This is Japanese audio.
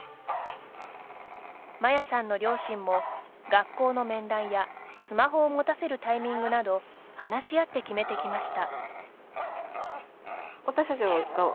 マヤさんの両親も、学校の面談やスマホを持たせるタイミングなど話し合って決めてきました。